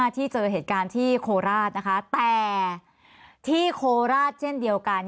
ที่เจอเหตุการณ์ที่โคราชนะคะแต่ที่โคราชเช่นเดียวกัน